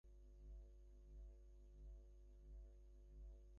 ললিতা কহিল, খুশি কেন হব না!